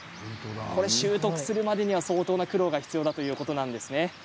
習得するまでには相当な苦労が必要だということなんです。